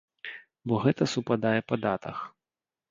Бо гэта супадае па датах.